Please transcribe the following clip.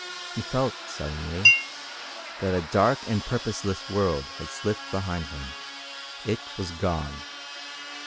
He felt, suddenly, that a dark and purposeless world had slipped behind him. It was gone.